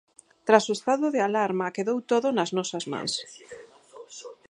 Tras o estado de alarma quedou todo nas nosas mans.